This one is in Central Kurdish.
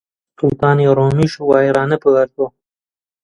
سوڵتانی ڕۆمیش وای ڕانەبواردووە!